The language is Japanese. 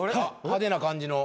派手な感じの。